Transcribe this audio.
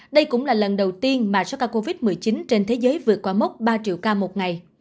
đây cũng là lần đầu tiên mà số ca covid một mươi chín trên thế giới vượt qua mốc ba triệu ca một ngày